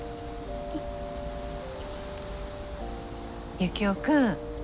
ユキオ君。